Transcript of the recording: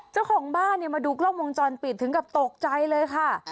เจ้าของบ้านมาดูกล้องวงจรปิดถึงกับตกใจเลยค่ะ